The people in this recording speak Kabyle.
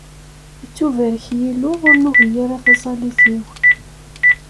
Ittubarek Yillu, ur nugi ara taẓallit-iw.